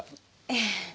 ええ。